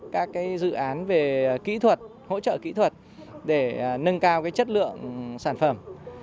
các dự án về hỗ trợ kỹ thuật để nâng cao chất lượng sản phẩm